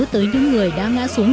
tới những người đã ngã xuống